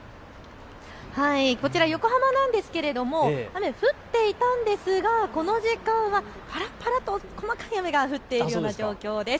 こちら横浜なんですけれども雨、降っていたんですがこの時間はぱらぱらと細かい雨が降っているような状況です。